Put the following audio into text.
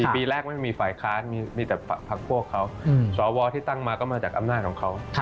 ปีแรกไม่มีฝ่ายค้านมีแต่พักพวกเขาสวที่ตั้งมาก็มาจากอำนาจของเขา